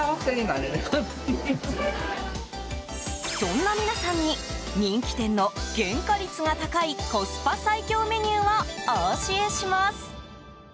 そんな皆さんに人気店の原価率が高いコスパ最強メニューをお教えします。